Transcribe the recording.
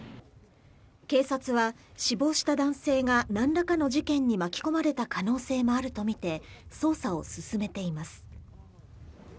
警察は死亡した男性がなんらかの事件に巻き込まれた可能性もあると見て、捜査を進めています。